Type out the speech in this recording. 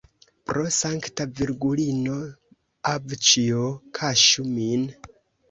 Pro Sankta Virgulino, avĉjo, kaŝu min!